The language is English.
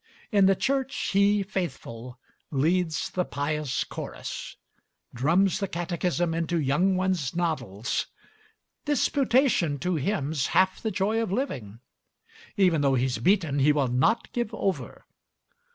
In the church he, faithful, leads the pious chorus; Drums the catechism into young ones' noddles. Disputation to him's half the joy of living; Even though he's beaten, he will not give over.